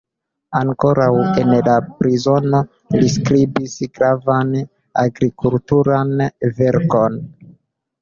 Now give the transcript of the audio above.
Ankoraŭ en la prizono li skribis gravan agrikulturan verkon.